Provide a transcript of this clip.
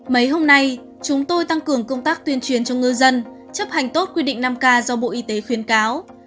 mấy hôm nay chúng tôi tăng cường công tác tuyên truyền cho ngư dân chấp hành tốt quy định năm k do bộ y tế khuyến cáo